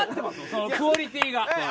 もんクオリティーが。